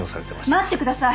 待ってください！